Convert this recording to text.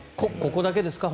ここだけですか？